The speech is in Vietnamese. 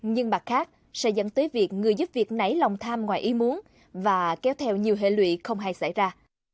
nhưng mặt khác sẽ dẫn tới việc người giúp việc nấy lòng tham ngoài ý muốn và kéo theo nhiều hệ lụy không hay xảy ra